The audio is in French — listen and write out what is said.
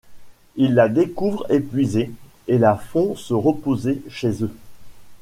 Ils la découvrent épuisée et la font se reposer chez eux.